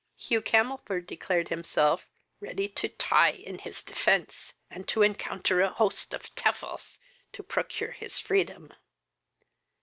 Hugh Camelford declared himself ready to tie in his defence, and to encounter a host of tevils to procure his freedom.